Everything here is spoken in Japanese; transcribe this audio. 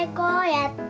やった！